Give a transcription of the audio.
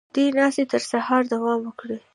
دې ناستې تر سهاره دوام وکړ.